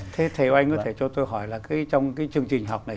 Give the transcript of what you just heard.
thầy oanh có thể cho tôi hỏi là trong cái chương trình học này